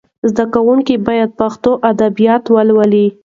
زده کونکي باید پښتو ادبیات ولولي.